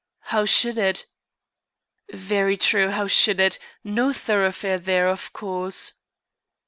"How should it?" "Very true; how should it! No thoroughfare there, of course."